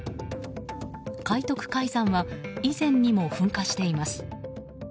海徳海山は以前にも噴火しています。